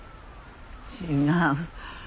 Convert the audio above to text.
違う。